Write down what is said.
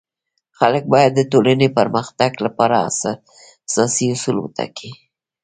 خلک باید د ټولنی د پرمختګ لپاره اساسي اصول وټاکي.